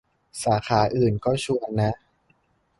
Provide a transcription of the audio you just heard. สาขาอื่นก็ชวนนะ